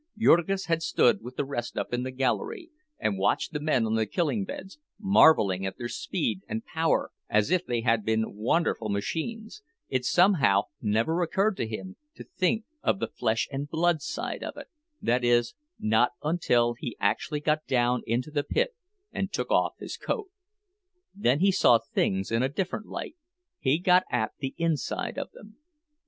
Jurgis had stood with the rest up in the gallery and watched the men on the killing beds, marveling at their speed and power as if they had been wonderful machines; it somehow never occurred to one to think of the flesh and blood side of it—that is, not until he actually got down into the pit and took off his coat. Then he saw things in a different light, he got at the inside of them.